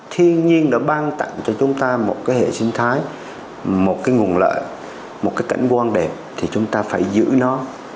thiên nhiên đã ban tặng cho chúng ta một cái hệ sinh thái một cái nguồn lợi một cái cảnh quan đẹp thì chúng ta phải giữ nó